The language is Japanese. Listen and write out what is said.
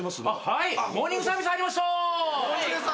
はい。